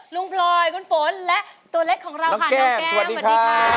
พลอยคุณฝนและตัวเล็กของเราค่ะน้องแก้มสวัสดีค่ะ